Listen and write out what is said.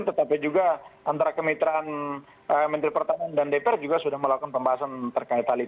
tetapi juga antara kemitraan menteri pertahanan dan dpr juga sudah melakukan